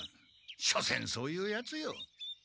しょせんそういうヤツよ。